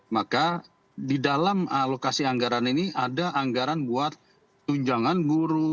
maka di dalam alokasi anggaran ini ada anggaran buat tunjangan guru